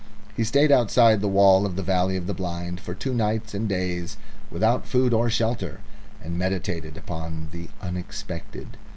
He stayed outside the wall of the valley of the Blind for two nights and days without food or shelter, and meditated upon the unexpected.